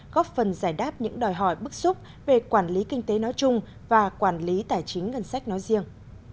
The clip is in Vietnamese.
góp phần giải đáp những đòi hỏi bức xúc về quản lý kinh tế nói chung và quản lý tài chính ngân sách nói riêng